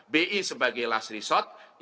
bi sebagai last resort